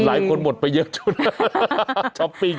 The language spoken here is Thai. หลายคนหมดไปเยอะชุดช้อปปิ้ง